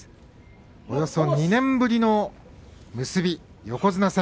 およそ２年ぶりの結び横綱戦。